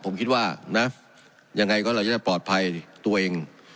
ผมคิดว่านะยังไงก็เราจะได้ปลอดภัยตัวเอง